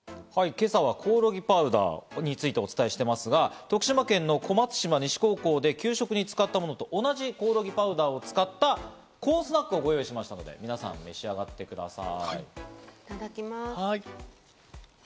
今朝はコオロギパウダーについてお伝えしていますが、徳島県の小松島西高校で給食に使ったものと同じコオロギパウダーを使ったコーンスナックをご用意しましたので、皆さん、召し上がってみてください。